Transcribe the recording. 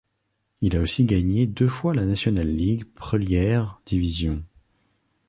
Il a aussi gagné deux fois la National League prelière division.